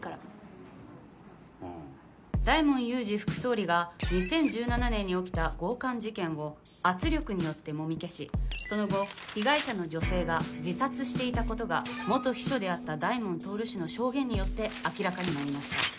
「大門雄二副総理が２０１７年に起きた強姦事件を圧力によって揉み消しその後被害者の女性が自殺していたことが元秘書であった大門亨氏の証言によって明らかになりました」。